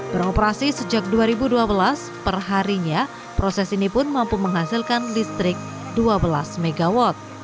beroperasi sejak dua ribu dua belas perharinya proses ini pun mampu menghasilkan listrik dua belas mw